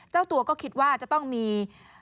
เจ้าตัวก็คิดว่าจะต้องมี